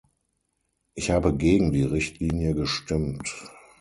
Ich habe gegen die Richtlinie gestimmt.